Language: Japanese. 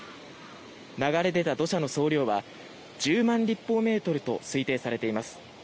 流れ出た土砂の総量は１０万立方メートルと推定されています。